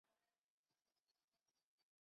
好多年没有客人了